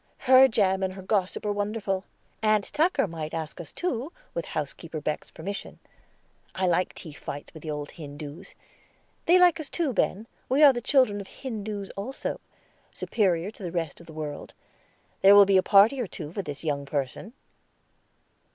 Her jam and her gossip are wonderful. Aunt Tucker might ask us too, with housekeeper Beck's permission. I like tea fights with the old Hindoos. They like us too, Ben; we are the children of Hindoos also superior to the rest of the world. There will be a party or two for this young person."